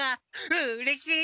うれしい！